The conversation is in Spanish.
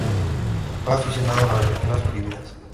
Fue aficionado a las lecturas prohibidas.